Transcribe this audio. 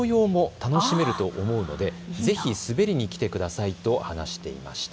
紅葉も楽しめると思うのでぜひ滑りに来てくださいと話していました。